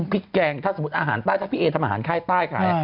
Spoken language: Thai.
พริกแกงถ้าสมมติอาหารใต้พี่เออ่ทำอาหารค่ายค่ะ